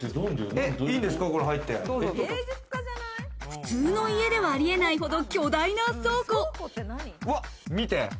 普通の家ではありえないほど巨大な倉庫。